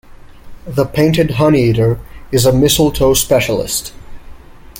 The painted honeyeater is a mistletoe specialist.